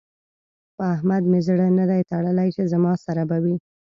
په احمد مې زړه نه دی تړلی چې زما سره به وي.